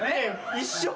一緒。